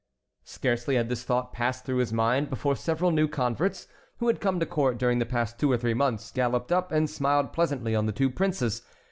Scarcely had this thought passed through his mind before several new converts, who had come to court during the past two or three months, galloped up and smiled pleasantly on the two princes.